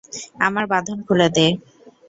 আমার বাঁধন খুলে দে।